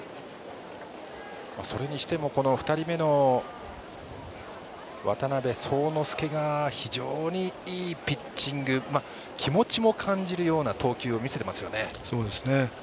それにしても２人目の渡邉聡之介が非常にいいピッチング気持ちも感じるような投球を見せていますよね。